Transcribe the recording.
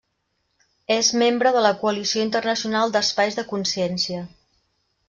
És membre de la Coalició Internacional d’Espais de Consciència.